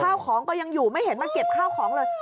ข้าวของก็ยังอยู่ไม่เห็นมาเก็บข้าวของเลย